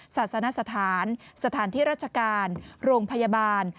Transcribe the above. ศาสนสถานสถานที่ราชการโรงพยาบาล